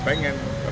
pengen nggak sih pak